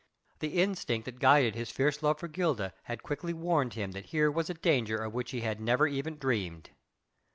The instinct that guided his fierce love for Gilda, had quickly warned him that here was a danger of which he had never even dreamed.